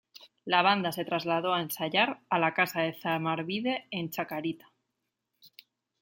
La banda se trasladó a ensayar a la casa de Zamarbide en Chacarita.